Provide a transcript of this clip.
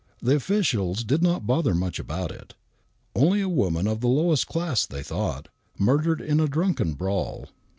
The officials did not bother much about it. Only a woman of the lowest class, they thought, murdered in a drunken brawl.